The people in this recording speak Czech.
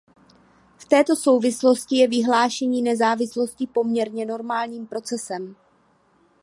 V této souvislosti je vyhlášení nezávislosti poměrně normálním procesem.